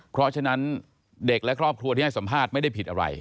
เพราะฉะนั้นเด็กและครอบครัวที่ให้สัมภาษณ์ไม่ได้ผิดอะไร